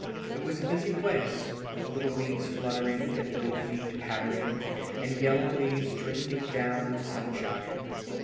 It was a busy place, with little wings fluttering and little feet pattering, and yellow leaves drifting down in the sunshine.